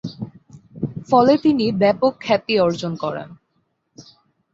ফলে তিনি ব্যাপক খ্যাতি অর্জন করেন।